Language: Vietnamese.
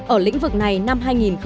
ở lĩnh vực này năm hai nghìn một mươi chín